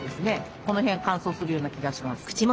この辺乾燥するような気がします。